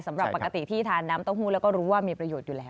สำหรับปกติที่ทานน้ำเต้าหู้แล้วก็รู้ว่ามีประโยชน์อยู่แล้ว